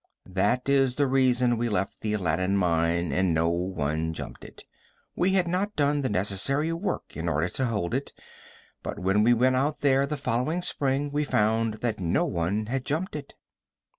That is the reason we left the Aladdin mine and no one jumped it. We had not done the necessary work in order to hold it, but when we went out there the following spring we found that no one had jumped it.